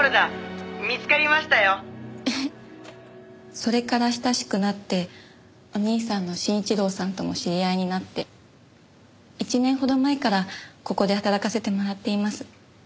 それから親しくなってお兄さんの真一郎さんとも知り合いになって１年ほど前からここで働かせてもらっています。